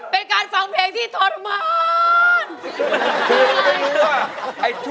เป็นการฟังเพลงที่ทรมาน